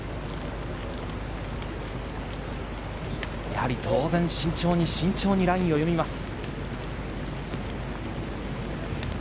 やはり当然、慎重に慎重にラインを読みます。